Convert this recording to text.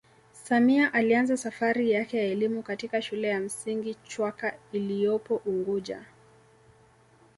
Samia alianza safari yake ya elimu katika shule ya msingi chwaka iloyopo unguja